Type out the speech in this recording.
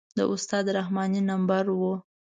د استاد رحماني نمبر و.